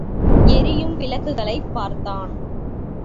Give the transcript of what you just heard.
எரியும் விளக்குகளைப் பார்த்தான்.